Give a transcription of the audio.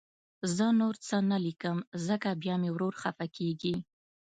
زه نور څه نه لیکم، ځکه بیا مې ورور خفه کېږي